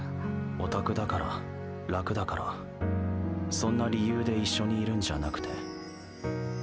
ヲタクだから楽だからそんな理由で一緒にいるんじゃなくて。